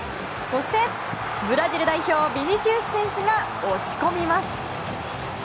そして、ブラジル代表ビニシウス選手が押し込みます。